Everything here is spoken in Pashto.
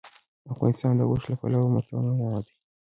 افغانستان د اوښ له پلوه متنوع دی.